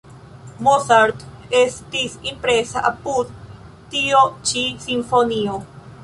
Mozart estis impresa apud tio ĉi simfonio.